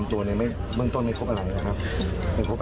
เมืองต้นไม่ควบอะไร